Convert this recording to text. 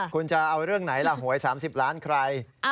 คุณจะเอาเรื่องไหนล่ะหวย๓๐ล้านใคร